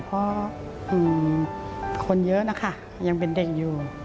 เพราะคนเยอะนะคะยังเป็นเด็กอยู่